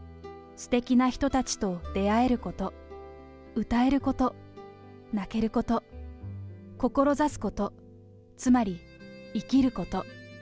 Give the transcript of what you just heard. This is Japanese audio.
すてきな人たちと出会えること、歌えること、泣けること、志すこと、つまり生きること。